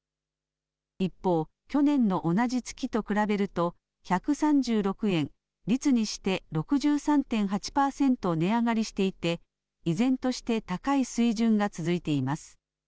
一方、去年の同じ月と比べると１３６円、率にして６３．８％値上がりしていて依然として高い水準が続いています。